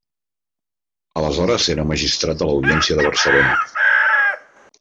Aleshores era magistrat de l'audiència de Barcelona.